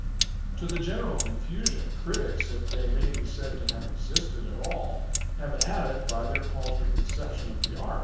To the general confusion, critics, if they may be said to have existed at all, have added by their paltry conception of the art.